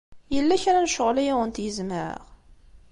Yella kra n ccɣel ay awent-gezmeɣ?